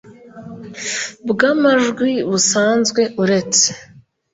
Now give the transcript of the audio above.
bw amajwi busanzwe uretse